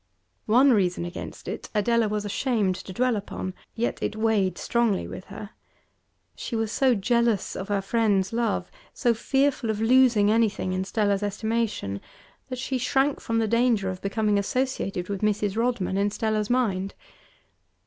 One reason against it Adela was ashamed to dwell upon, yet it weighed strongly with her: she was so jealous of her friend's love, so fearful of losing anything in Stella's estimation, that she shrank from the danger of becoming associated with Mrs. Rodman in Stella's mind.